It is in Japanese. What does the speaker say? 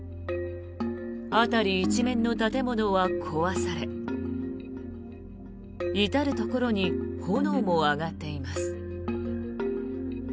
辺り一面の建物は壊され至るところに炎も上がっています。